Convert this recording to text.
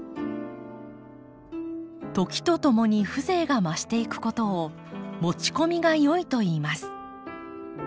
時とともに風情が増していくことを「持ち込みが良い」といいます。